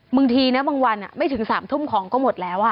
บางทีนะบางวันไม่ถึง๓ทุ่มของก็หมดแล้ว